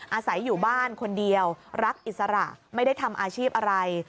อาศัยอยู่บ้านคนเดียวรักอิสระไม่ได้ทำอาชีพอะไร